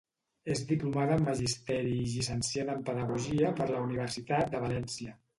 És diplomada en Magisteri i llicenciada en Pedagogia per la Universitat de València.